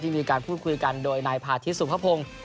มีการพูดคุยกันโดยนายพาธิสุภพงศ์